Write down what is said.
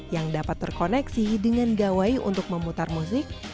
yang dapat terkoneksi dengan gawai untuk memutar musik